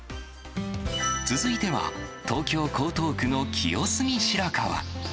続いては、東京・江東区の清澄白河。